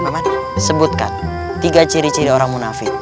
mamat sebutkan tiga ciri ciri orang munafik